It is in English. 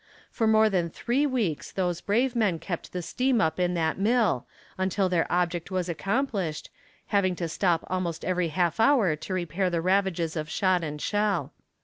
For more than three weeks those brave men kept the steam up in that mill, until their object was accomplished, having to stop almost every half hour to repair the ravages of shot and shell.